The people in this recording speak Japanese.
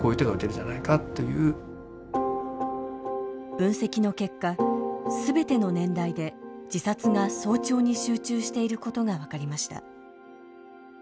分析の結果全ての年代で自殺が早朝に集中していることが分かりました。